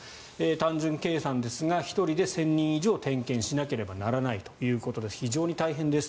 単純計算ですが１人で１０００人以上点検しないといけないということで非常に大変です。